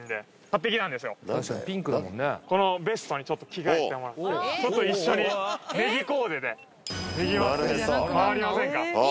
このベストにちょっと着替えてもらってちょっと一緒にねぎコーデでなるへそねぎまつり回りませんか？